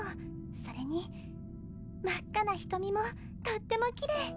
それに真っ赤な瞳もとってもキレイ